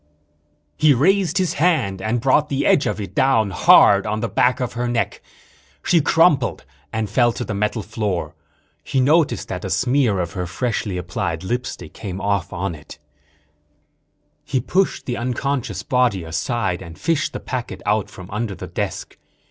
_ He raised his hand and brought the edge of it down hard on the back of her neck. She crumpled and fell to the metal floor. He noticed that a smear of her freshly applied lipstick came off on it. He pushed the unconscious body aside and fished the packet out from under the desk.